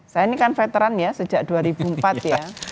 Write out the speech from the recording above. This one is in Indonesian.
saya ini kan veteran ya sejak dua ribu empat ya